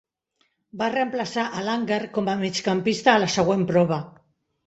Va reemplaçar a Langer com a migcampista a la següent prova.